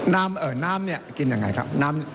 น้ำเนี่ยกินยังไงครับ